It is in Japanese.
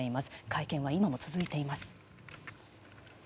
会見は今も続いています。